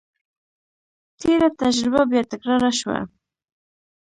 تېره تجربه بیا تکرار شوه.